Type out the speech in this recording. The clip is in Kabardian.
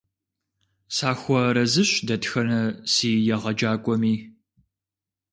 Сахуэарэзыщ дэтхэнэ си егъэджакӀуэми.